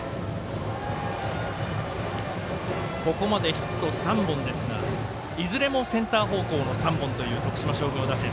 ヒット３本ですがいずれもセンター方向の３本という徳島商業打線。